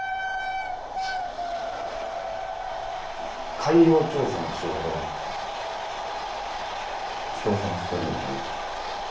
海洋調査の仕事があってさ人を探してるんだけど。